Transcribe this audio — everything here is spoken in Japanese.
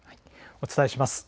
お伝えします。